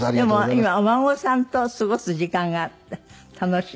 でも今お孫さんと過ごす時間が楽しい？